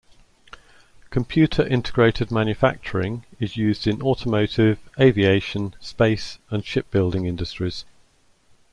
Computer-integrated manufacturing is used in automotive, aviation, space, and ship building industries.